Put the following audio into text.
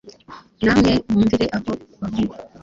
Na mwe mwumvire aho bahungu!"